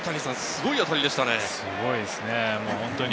すごいですね。